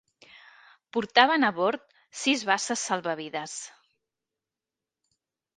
Portaven a bord sis basses salvavides.